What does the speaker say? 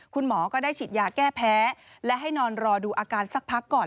คุณหมอก็ได้ฉีดยาแก้แพ้และให้นอนรอดูอาการสักพักก่อน